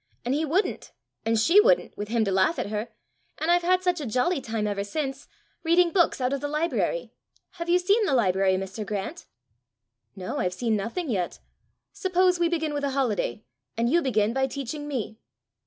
And he wouldn't; and she wouldn't with him to laugh at her. And I've had such a jolly time ever since reading books out of the library! Have you seen the library, Mr. Grant?" "No; I've seen nothing yet. Suppose we begin with a holiday, and you begin by teaching me!"